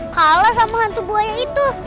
kalah sama hantu buaya itu